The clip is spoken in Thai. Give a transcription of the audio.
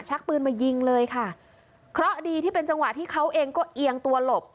ปืนมายิงเลยค่ะเพราะดีที่เป็นจังหวะที่เขาเองก็เอียงตัวหลบ